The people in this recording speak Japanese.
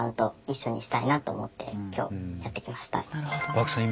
漠さん